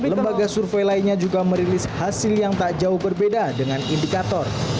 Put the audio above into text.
lembaga survei lainnya juga merilis hasil yang tak jauh berbeda dengan indikator